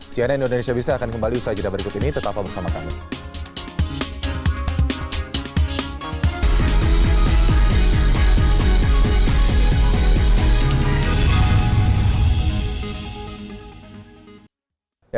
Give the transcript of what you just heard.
cnn indonesia busines akan kembali usai jeda berikut ini tetaplah bersama kami